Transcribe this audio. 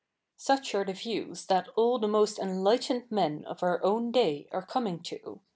' Such are the views that all the most e?i lightened me?i of our own day are comi?ig to.